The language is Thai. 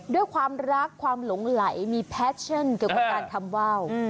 ด้วยความรักความหลงไหลมีแพชชั่นเกี่ยวกับการทำว่าว